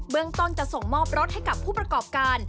เรื่องต้นจะส่งมอบรถให้กับผู้ประกอบการ